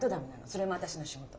それも私の仕事。